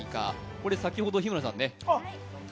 これ先ほど日村さんね。